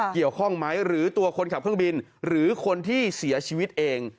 เกี่ยวข้องไหมหรือตัวคนขับเครื่องบินหรือคนที่เสียชีวิตเอง